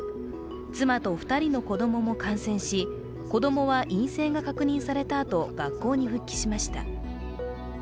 妻と２人の子供も感染し子供は陰性が確認されたあと学校に復帰しました。